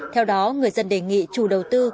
theo đó người dân đề nghị chủ đầu tư